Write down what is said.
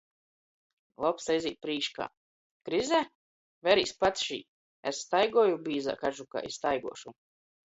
Lopsa izīt prīškā: “Krize? Verīs pats šī – es staiguoju bīzā kažukā, es i staiguošu.”